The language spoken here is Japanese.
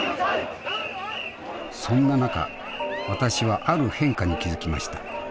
そんな中私はある変化に気付きました。